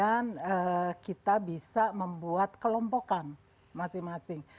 yang kemudian kita bisa membuat kelompokan masing masing